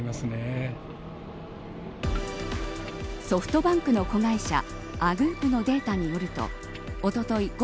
ソフトバンクの子会社Ａｇｏｏｐのデータによるとおととい